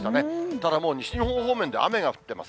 ただもう、西日本方面で雨が降ってます。